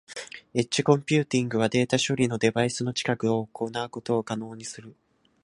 エッジコンピューティングはデータ処理をデバイスの近くで行うことを可能にする。